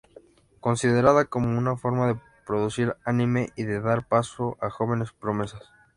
Considerada como una forma de producir anime y de dar paso a jóvenes promesas.